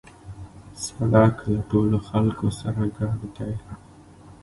سړک له ټولو خلکو سره ګډ دی.